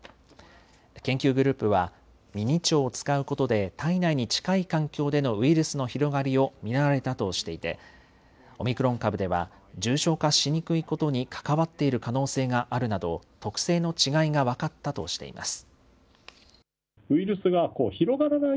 研究グループはミニ腸を使うことで体内に近い環境でのウイルスの広がりを見られたとしていてオミクロン株では重症化しにくいことに関わっている可能性があるなど特性の違いが分かったとしています。